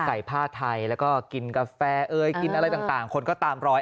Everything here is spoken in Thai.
ใส่ผ้าไทยแล้วก็กินกาแฟเอกินอะไรต่างคนก็ตามร้อย